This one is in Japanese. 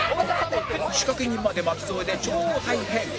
仕掛け人まで巻き添えで超大変